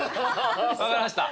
分かりました。